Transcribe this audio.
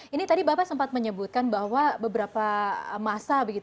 ini tadi bapak sempat menyebutkan bahwa beberapa masa